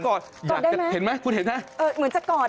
กอดได้ไหมเห็นไหมคุณเห็นไหมเอ่อเหมือนจะกอด